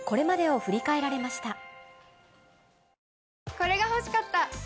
これが欲しかった！